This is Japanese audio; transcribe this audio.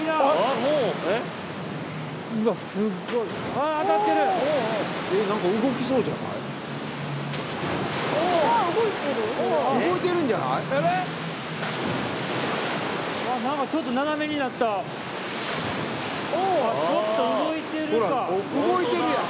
ほら動いてるやん。